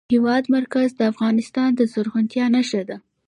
د هېواد مرکز د افغانستان د زرغونتیا نښه ده.